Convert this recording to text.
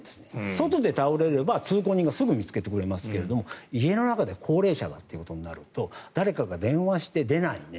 外で倒れれば通行人がすぐに見つけてくれますが家の中で高齢者がってことになると誰かが電話して出ないね